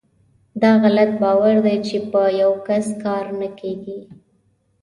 داغلط باور دی چې په یوکس کار نه کیږي .